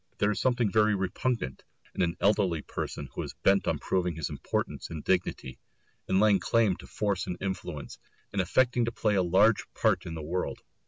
There is something very repugnant in an elderly person who is bent on proving his importance and dignity, in laying claim to force and influence, in affecting to play a large part in the world.